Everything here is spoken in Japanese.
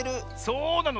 そうなの。